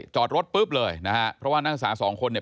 จอดรถปุ๊บเลยนะฮะเพราะว่านักศึกษาสองคนเนี่ย